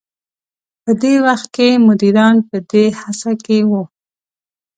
په دې وخت کې مديران په دې هڅه کې وو.